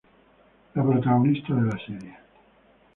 La protagonista de la serie.